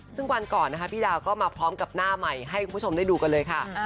ซึ่งวันก่อนนะคะพี่ดาวก็มาพร้อมกับหน้าใหม่ให้คุณผู้ชมได้ดูกันเลยค่ะ